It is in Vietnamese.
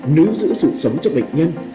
nữ giữ sự sống cho bệnh nhân